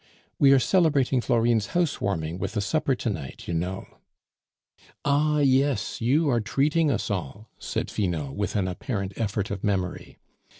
"We are celebrating Florine's house warming with a supper to night, you know." "Ah! yes, you are treating us all," said Finot, with an apparent effort of memory.